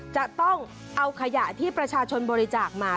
จะต้องเอาขยะที่ประชาชนบริจาคมา